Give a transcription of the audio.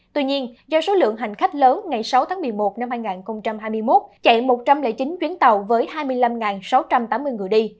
tuy nhiên do số lượng hành khách lớn ngày sáu tháng một mươi một năm hai nghìn hai mươi một chạy một trăm linh chín chuyến tàu với hai mươi năm sáu trăm tám mươi người đi